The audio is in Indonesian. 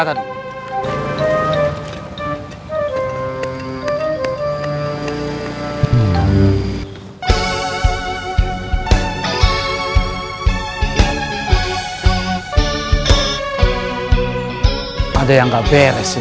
boleh lihat dua saja yang menambah berita tersebut